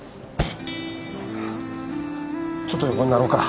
ちょっと横になろうか